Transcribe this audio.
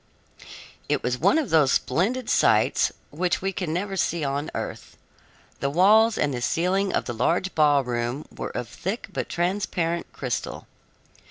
It was one of those splendid sights which we can never see on earth. The walls and the ceiling of the large ballroom were of thick but transparent crystal.